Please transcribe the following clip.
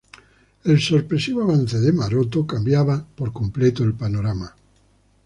El sorpresivo avance de Maroto cambiaba por completo el panorama.